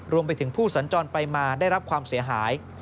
รวมไปถึงผู้สัญจรไปมาได้รับความเสียหาย